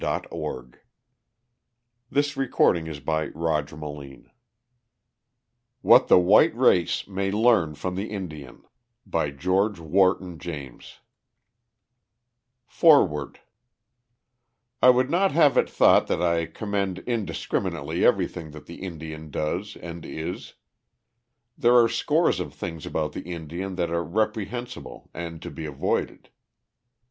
R. DONNELLEY & SONS COMPANY CHICAGO [Illustration: WHAT THE WHITE RACE MAY LEARN FROM THE INDIAN] FOREWORD I would not have it thought that I commend indiscriminately everything that the Indian does and is. There are scores of things about the Indian that are reprehensible and to be avoided.